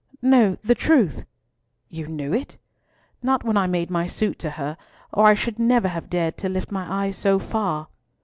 "No, the truth." "You knew it?" "Not when I made my suit to her, or I should never have dared to lift my eyes so far."